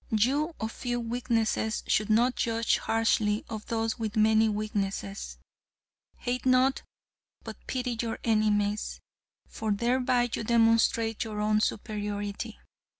You of few weaknesses should not judge harshly of those with many weaknesses. Hate not, but pity your enemies, for thereby you demonstrate your own superiority.